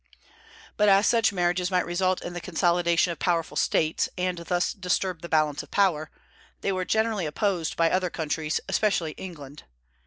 But as such marriages might result in the consolidation of powerful States, and thus disturb the balance of power, they were generally opposed by other countries, especially England.